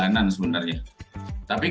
kalau menggunakanurer lima